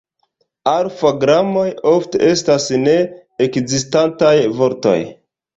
Alfa-gramoj ofte estas ne-ekzistantaj vortoj.